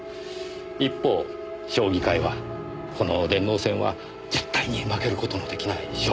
一方将棋界はこの電脳戦は絶対に負ける事の出来ない勝負です。